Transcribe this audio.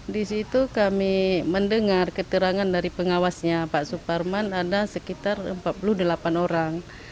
di situ kami mendengar keterangan dari pengawasnya pak suparman ada sekitar empat puluh delapan orang